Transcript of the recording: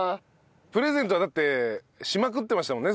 プレゼントはだってしまくってましたもんね